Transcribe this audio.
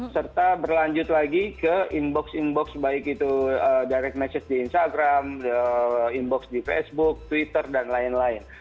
serta berlanjut lagi ke inbox inbox baik itu direct message di instagram inbox di facebook twitter dan lain lain